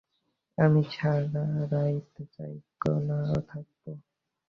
আমি সারা রাইত জগনা থাকব।